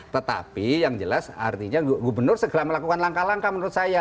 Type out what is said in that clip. tetapi yang jelas artinya gubernur segera melakukan langkah langkah menurut saya